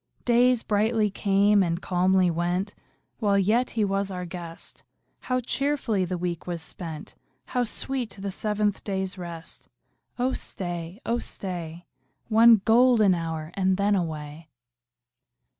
Days brightly came and calmly went, While yet he was our guest ; How cheerfully the week was spent ! How sweet the seventh day's rest ! Oh stay, oh stay. One golden hour, and then away.